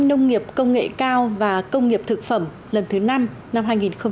nông nghiệp công nghệ cao và công nghiệp thực phẩm lần thứ năm năm hai nghìn một mươi sáu